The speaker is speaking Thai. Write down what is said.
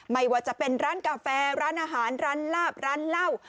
ไม่ว่าจะเป็นร้านกาแฟร้านอาหารร้านลาบร้านเหล้า